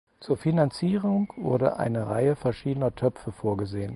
Zur Finanzierung wurde eine Reihe verschiedener „Töpfe“ vorgesehen.